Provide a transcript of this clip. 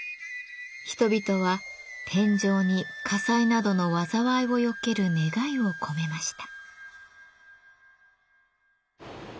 人々は天井に火災などの災いをよける願いを込めました。